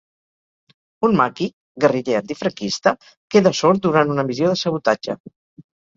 Un maqui –guerriller antifranquista– queda sord durant una missió de sabotatge.